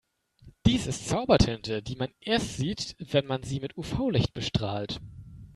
Dies ist Zaubertinte, die man erst sieht, wenn man sie mit UV-Licht bestrahlt.